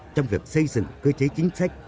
trong việc xây dựng cơ chế chính sách